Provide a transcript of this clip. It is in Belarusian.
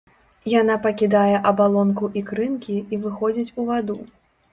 Яна пакідае абалонку ікрынкі і выходзіць у ваду.